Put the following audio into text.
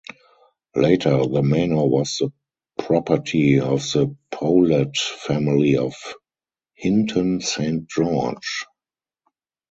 Later the manor was the property of the Powlett family of Hinton Saint George.